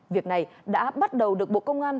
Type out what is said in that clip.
việc này đã bắt đầu được bộ công an